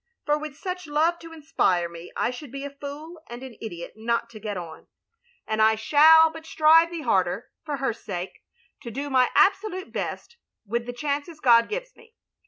For with such love to inspire me^ I should be a fool and an idiot not to get on, and I shall but strive 324 THE LONELY LADY the harder, for her sake, to do my absolute best with the chances God gives me.